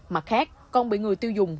mặt khác còn bị người tiêu dùng